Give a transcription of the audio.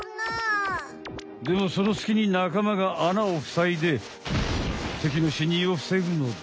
でもそのすきになかまがあなをふさいで敵のしんにゅうをふせぐのだ。